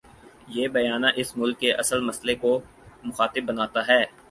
یہ بیانیہ اس ملک کے اصل مسئلے کو مخاطب بناتا ہے۔